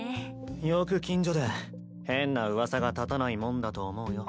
よく近所で変なうわさが立たないもんだと思うよ。